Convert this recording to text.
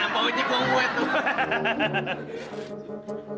baunya kowe tuh